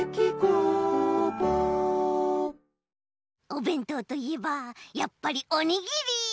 おべんとうといえばやっぱりおにぎり。